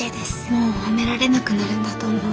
もう褒められなくなるんだと思うと。